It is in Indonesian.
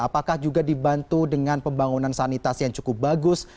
apakah juga dibantu dengan pembangunan sanitasi yang cukup bagus